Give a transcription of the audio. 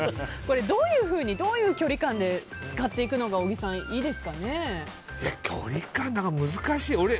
どういうふうにどういう距離感で使っていくのが距離感難しい。